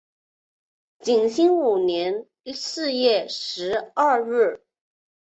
景兴五年四月十二日。